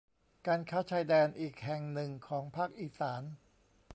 การค้าชายแดนอีกแห่งหนึ่งของภาคอีสาน